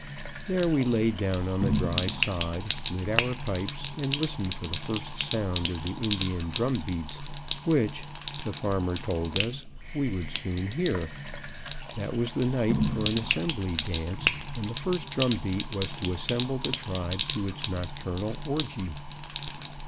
There we lay down on the dry sod, lit our pipes, and listened for the first sound of the Indian drum beats which, the farmer told us, we would soon hear; that was the night for an Assembly dance, and the first drum beat was to assemble the tribe to its nocturnal orgie.